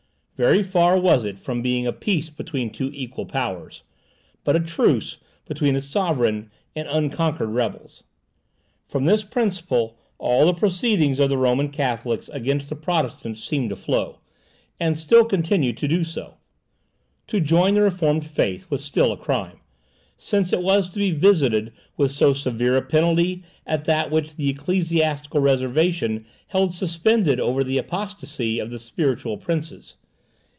Very far was it from being a peace between two equal powers, but a truce between a sovereign and unconquered rebels. From this principle all the proceedings of the Roman Catholics against the Protestants seemed to flow, and still continue to do so. To join the reformed faith was still a crime, since it was to be visited with so severe a penalty as that which the Ecclesiastical Reservation held suspended over the apostacy of the spiritual princes.